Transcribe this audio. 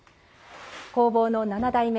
工房の７代目